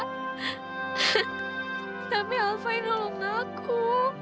tapi alfah yang nolong aku